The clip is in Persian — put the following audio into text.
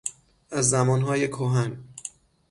از زمانهای کهن